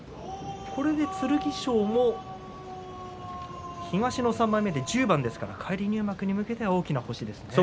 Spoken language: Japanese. これで剣翔も東の３枚目で１０番ですから返り入幕に向けては大きな星ですね。